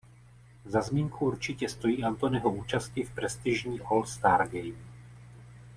Za zmínku určitě stojí Anthonyho účasti v prestižní All Star Game.